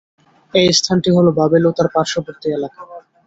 এ স্থানটি হল বাবেল ও তার পার্শ্ববর্তী এলাকা।